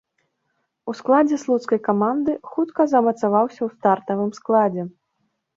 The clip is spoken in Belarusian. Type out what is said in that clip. У складзе слуцкай каманды хутка замацаваўся ў стартавым складзе.